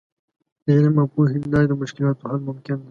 د علم او پوهې له لارې د مشکلاتو حل ممکن دی.